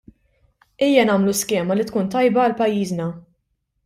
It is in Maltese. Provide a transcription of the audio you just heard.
Ejja nagħmlu skema li tkun tajba għal pajjiżna.